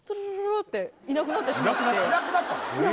いなくなったの？